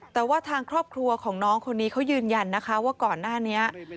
แต่ว่าทางครอบครัวของน้องคนนี้เขายืนยันนะคะว่าก่อนหน้านี้